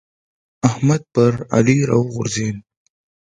احمد پر علي راغورځېد.